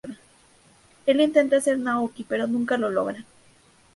Él intenta ser mejor que Naoki, pero nunca lo logra.